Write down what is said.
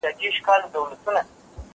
لیک د زهشوم له خوا کيږي!؟